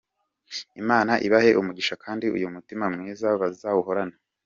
Imana ibahe umugisha kandi uyu mutima mwiza bazawuhorane.